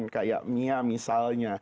seperti mia misalnya